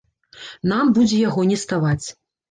Нам будзе яго не ставаць.